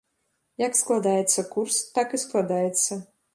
Як складаецца курс, так і складаецца.